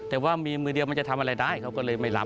แต่ว่ามีมือเดียวมันจะทำอะไรได้เขาก็เลยไม่รับ